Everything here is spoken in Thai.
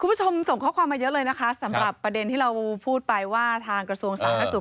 คุณผู้ชมส่งข้อความมาเยอะเลยนะคะสำหรับประเด็นที่เราพูดไปว่าทางกระทรวงสาธารณสุข